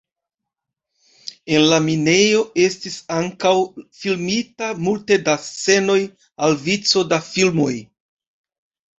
En la minejo estis ankaŭ filmita multe da scenoj al vico da filmoj.